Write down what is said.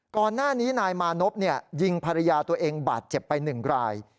ก่อนหน้านี้นายมานพยิงภรรยาตัวเองบาดเจ็บไป๑ราย